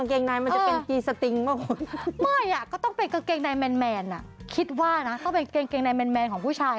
คิดว่ามันต้องเป็นเกงในแบบแบนแบนของผู้ชาย